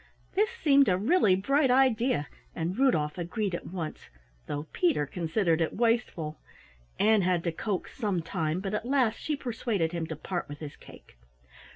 This seemed a really bright idea, and Rudolf agreed at once, though Peter considered it wasteful. Ann had to coax some time, but at last she persuaded him to part with his cake.